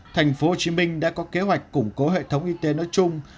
tp hcm đã có kế hoạch củng cố hệ thống y tế nói chung